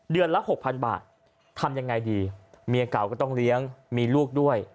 ละหกพันบาททำยังไงดีเมียเก่าก็ต้องเลี้ยงมีลูกด้วย